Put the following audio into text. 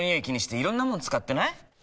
気にしていろんなもの使ってない？